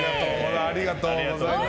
ありがとうございます。